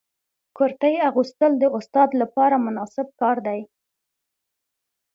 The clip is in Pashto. کرتۍ اغوستل د استاد لپاره مناسب کار دی.